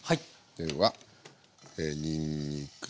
ではにんにく。